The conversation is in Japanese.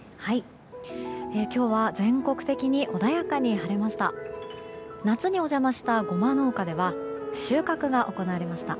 今日は全国的に穏やかに晴れました。